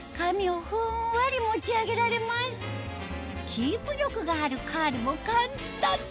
キープ力があるカールも簡単に